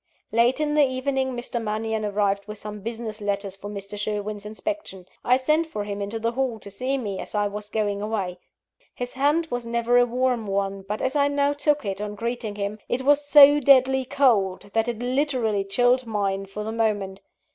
_ Late in the evening, Mr. Mannion arrived with some business letters for Mr. Sherwin's inspection. I sent for him into the hall to see me, as I was going away. His hand was never a warm one; but as I now took it, on greeting him, it was so deadly cold that it literally chilled mine for the moment.